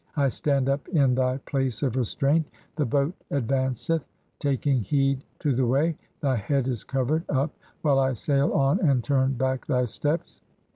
I stand up in thy place of restraint, the boat "advanceth taking heed to the way ; (10) thy head is covered "up while I sail on and turn back [thy steps].